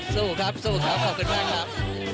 สู้ครับสู้ครับขอบคุณมากครับ